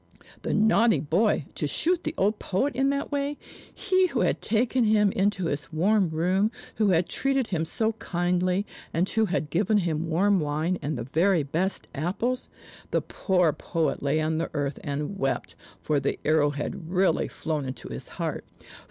The naughty boy, to shoot the old poet in that way; he who had taken him into his warm room, who had treated him so kindly, and who had given him warm wine and the very best apples! The poor poet lay on the earth and wept, for the arrow had really flown into his heart.